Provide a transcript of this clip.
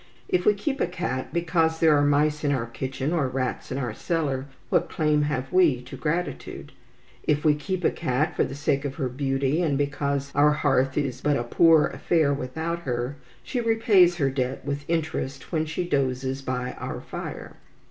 If we keep a cat because there are mice in our kitchen or rats in our cellar, what claim have we to gratitude? If we keep a cat for the sake of her beauty, and because our hearth is but a poor affair without her, she repays her debt with interest when she dozes by our fire.